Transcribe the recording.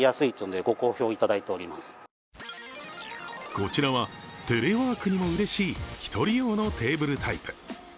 こちらはテレワークにもうれしい１人用のテーブルタイプ。